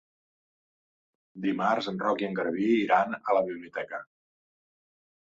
Dimarts en Roc i en Garbí iran a la biblioteca.